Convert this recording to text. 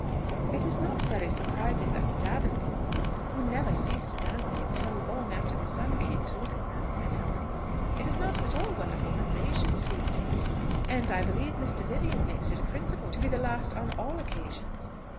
"It is not very surprising that the Davenports, who never ceased dancing till long after the sun came to look at them," said Helen, "it is not all wonderful that they should sleep late, and I believe Mr. Vivian makes it a principle to be the last on all occasions.